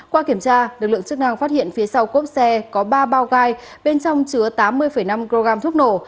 qua kiểm tra lực lượng chức năng phát hiện phía sau cốp xe có ba bao gai bên trong chứa tám mươi năm kg thuốc nổ